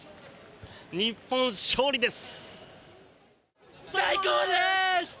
日本、勝利です！